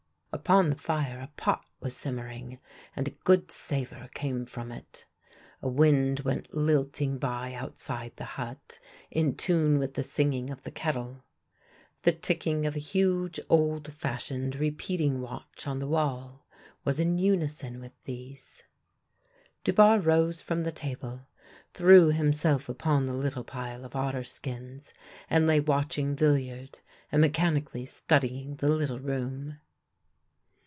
Upon the fire a pot was simmering, and a good savour came from it. A wind went lilting by outside the hut in tune with the singing of the kettle. The ticking of a huge, old fashioned repeating watch on the wall was in unison with these. Dubarre rose from the table, threw himself upon the little pile of otter skins, and lay watching Villiard and mechanically studying the little room.